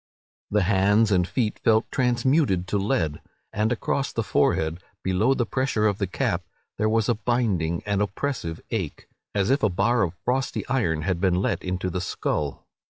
The hands and feet felt transmuted to lead; and across the forehead, below the pressure of the cap, there was a binding and oppressive ache, as if a bar of frosty iron had been let into the skull.